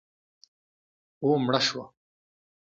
او مړه شوه